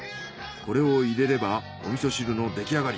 これを入れればお味噌汁の出来上がり。